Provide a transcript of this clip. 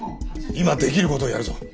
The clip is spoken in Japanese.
今できることをやるぞ。